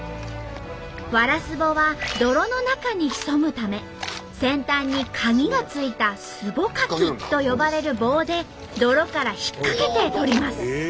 ワラスボは泥の中に潜むため先端にかぎが付いた「スボカキ」と呼ばれる棒で泥から引っかけてとります。